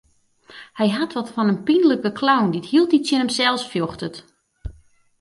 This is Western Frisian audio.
Hy hat wat fan in pynlike clown dy't hieltyd tsjin himsels fjochtet.